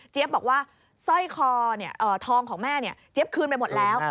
บอกว่าสร้อยคอทองของแม่เจี๊ยบคืนไปหมดแล้ว